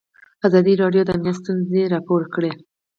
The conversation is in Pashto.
ازادي راډیو د امنیت ستونزې راپور کړي.